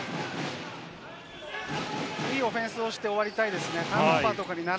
いいオフェンスをして終わりたいですね。